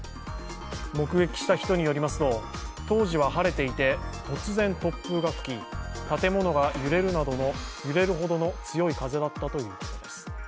目撃した人によりますと当時は晴れていて突然、突風が吹き、建物が揺れるほどの強い風だったということです。